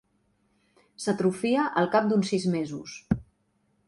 S'atrofia al cap d'uns sis mesos.